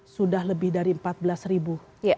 sudah lebih dari empat belas ribu